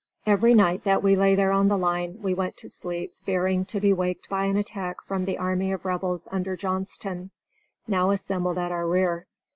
Every night that we lay there on the line we went to sleep fearing to be waked by an attack from the army of Rebels under Johnston, now assembled at our rear.